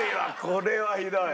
これはひどい。